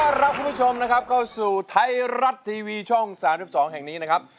รับคุณผู้ชมนะครับเข้าสู่ไทยรัฐทีวีช่อง๓๒แห่งนี้นะครับ